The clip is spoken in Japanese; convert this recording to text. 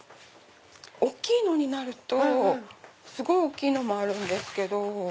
大きいのになるとすごい大きいのもあるんですけど。